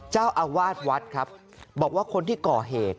เจ้าอาวาสวัดครับบอกว่าคนที่ก่อเหตุ